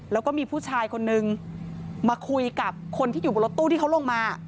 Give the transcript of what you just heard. แล้วก็มีผู้ชายคนนึงมาคุยกับคนที่อยู่บนรถตู้ที่เขาลงมา